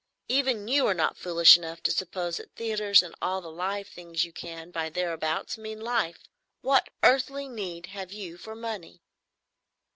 Even you are not foolish enough to suppose that theatres and all the live things you can buy thereabouts mean Life. What earthly need have you for money?"